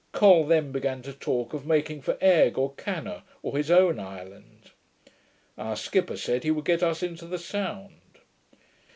Col then began to talk of making for Egg, or Canna, or his own island. Our skipper said, he would get us into the Sound.